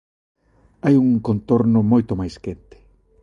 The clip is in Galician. Hai un contorno moito máis quente.